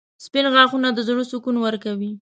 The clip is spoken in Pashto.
• سپین غاښونه د زړه سکون ورکوي.